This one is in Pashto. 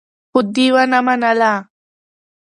خو دې ونه منله.